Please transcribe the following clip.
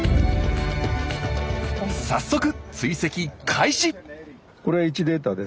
早速追跡開始！